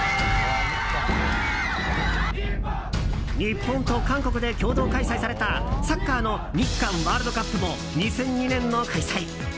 日本と韓国で共同開催されたサッカーの日韓ワールドカップも２００２年の開催。